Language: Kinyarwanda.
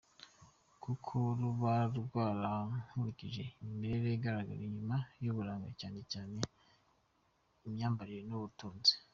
Kuko ruba rwarakurikiye imimerere igaragara inyuma nk’uburanga cyane cyane, imyambarire n’ubutunzi.